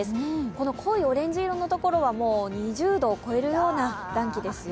この濃いオレンジ色のところは２０度を超えるような暖気ですよ。